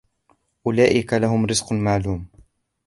أولئك لهم رزق معلوم